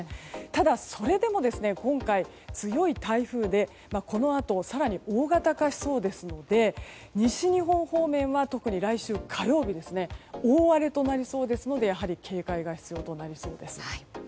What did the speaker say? ただ、それでも今回強い台風でこのあと更に大型化しそうですので西日本方面は、特に来週火曜日大荒れとなりそうですので警戒が必要となりそうです。